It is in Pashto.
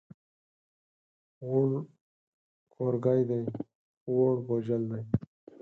ووړ کورګی دی، ووړ بوجل دی.